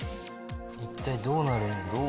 一体どうなるんだろう？